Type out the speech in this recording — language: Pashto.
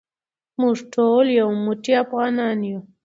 موږ ټول یو موټی افغانان یو.